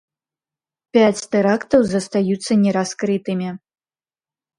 Пяць тэрактаў застаюцца нераскрытымі.